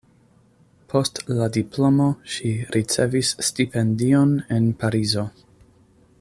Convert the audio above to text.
Post la diplomo ŝi ricevis stipendion en Parizo.